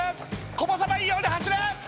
こぼさないように走れ！